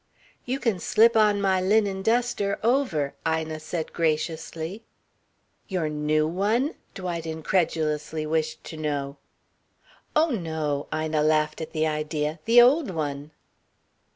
"You can slip on my linen duster, over," Ina said graciously. "Your new one?" Dwight incredulously wished to know. "Oh, no!" Ina laughed at the idea. "The old one."